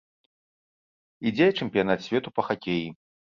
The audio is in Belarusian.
Ідзе чэмпіянат свету па хакеі.